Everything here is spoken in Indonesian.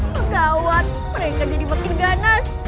pegawat mereka jadi makin ganas